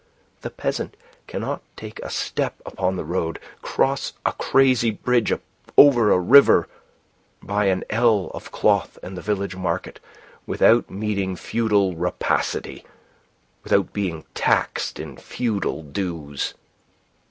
The peasant cannot take a step upon the road, cross a crazy bridge over a river, buy an ell of cloth in the village market, without meeting feudal rapacity, without being taxed in feudal dues.